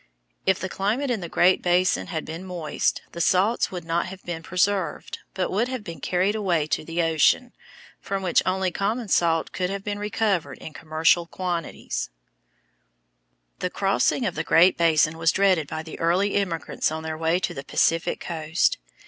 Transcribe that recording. If the climate in the Great Basin had been moist, the salts would not have been preserved, but would have been carried away to the ocean, from which only common salt could have been recovered in commercial quantities. [Illustration: FIG. 46. MUSHROOM ROCK, PYRAMID LAKE Formed of calcareous tufa] The crossing of the Great Basin was dreaded by the early emigrants on their way to the Pacific coast.